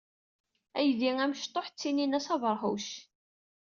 Aydi amecṭuḥ ttinin-as abeṛhuc.